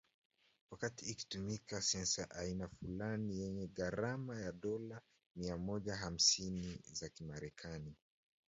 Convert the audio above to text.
wakati ikitumika sensa ya aina fulani yenye gharama ya dola mia moja hamsini za kimerekani